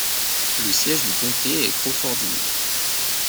Le siège du comté est Crawfordville.